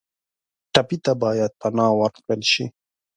ټپي ته باید پناه ورکړل شي.